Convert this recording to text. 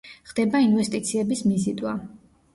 ხდება ინვესტიციების მიზიდვა.